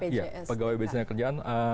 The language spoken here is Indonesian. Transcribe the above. iya pegawai bpjs ketenagakerjaan